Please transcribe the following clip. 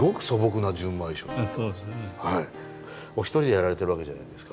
お一人でやられてるわけじゃないですか。